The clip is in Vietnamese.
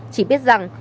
chỉ biết rằng